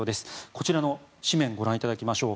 こちらの紙面をご覧いただきましょう。